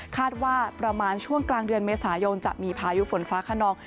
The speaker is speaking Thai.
ว่าประมาณช่วงกลางเดือนเมษายนจะมีพายุฝนฟ้าขนอง